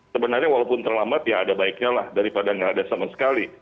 sebenarnya walaupun terlambat ya ada baiknya lah daripada nggak ada sama sekali